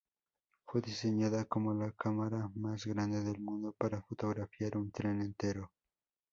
Fue diseñada como la cámara más grande del mundo para fotografiar un tren entero.